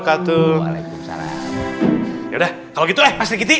yaudah kalau gitu eh